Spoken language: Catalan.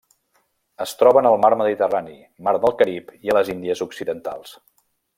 Es troba en el mar Mediterrani, mar del Carib i a les Índies Occidentals.